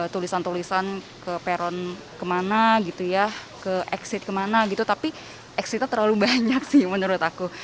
tulisan tulisan ke peron kemana gitu ya ke exit kemana gitu tapi exitnya terlalu banyak sih menurut aku